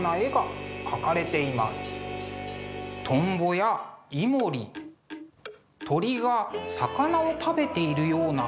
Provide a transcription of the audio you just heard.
トンボやイモリ鳥が魚を食べているようなところ。